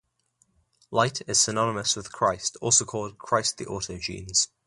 Light is synonymous with Christ, also called "Christ the Autogenes".